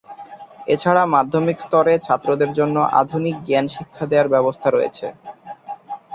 এছাড়া মাধ্যমিক স্তরে ছাত্রদের জন্যে আধুনিক জ্ঞান শিক্ষা দেয়ার ব্যবস্থা রয়েছে।